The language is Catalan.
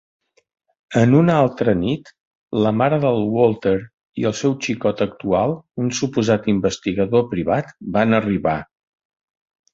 En una altra nit, la mare del Walter i el seu xicot actual, un suposat "investigador privat", van arribar.